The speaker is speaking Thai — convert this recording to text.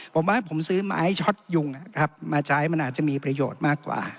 ผมว่าผมซื้อไม้ช็อตยุงมาใช้มันอาจจะมีประโยชน์มากกว่า